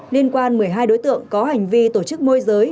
liên quan một mươi hai đối tượng có hành vi tổ chức môi giới